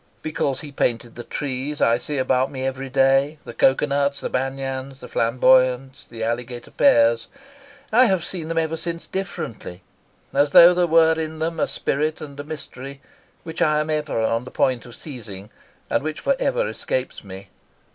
Because he painted the trees I see about me every day, the cocoa nuts, the banyans, the flamboyants, the alligator pears, I have seen them ever since differently, as though there were in them a spirit and a mystery which I am ever on the point of seizing and which forever escapes me.